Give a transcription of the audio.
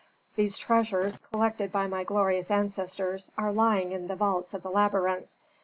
These treasures, collected by my glorious ancestors, are lying in the vaults of the labyrinth.